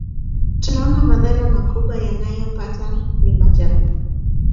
Tunaona madhara makubwa waliyoyapata ni wanajamii